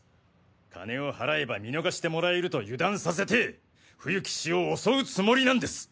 金を払えば見逃がしてもらえると油断させて冬木氏を襲うつもりなんです！